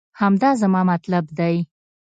همدا زما مطلب دی